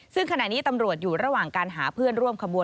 ซึ่งขณะนี้ตำรวจอยู่ระหว่างการหาเพื่อนร่วมขบวน